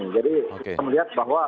jadi kita melihat bahwa